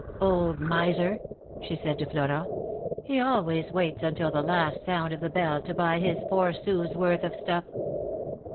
Old miser !" she said to Florent. He always waits until the last sound of the bell to buy his four sous' worth of stuff.